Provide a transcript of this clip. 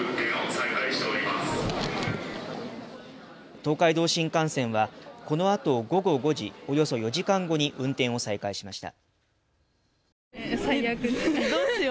東海道新幹線はこのあと午後５時、およそ４時間後に運転を再開しました。